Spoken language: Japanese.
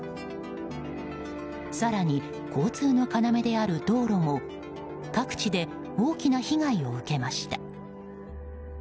更に交通の要である道路も各地で大きな被害を受けました。